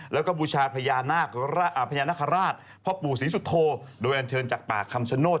แล้วก็บุชาติพระยานนาคาราชพ่อปู่ศรีสุโธโดยอันเชิญจากป่าคคำชโชนโนศ์